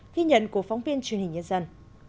ghi nhận của phóng viên truyền hình nhân dân